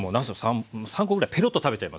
３コぐらいペロッと食べちゃいますよ。